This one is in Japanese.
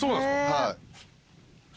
はい。